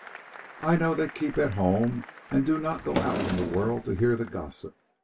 "I know they keep at home and do not go out in the world to hear the gossip.